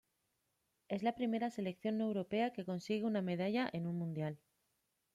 Es la primera selección no europea que consigue una medalla en un Mundial.